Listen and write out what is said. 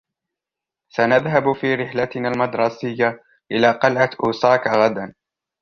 سنذهب في رحلتنا المدرسية إلى قلعة أوساكا غدًا.